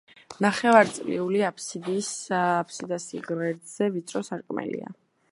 ნახევარწრიული აფსიდას ღერძზე ვიწრო სარკმელია.